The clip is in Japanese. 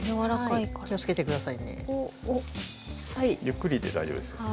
ゆっくりで大丈夫ですよ。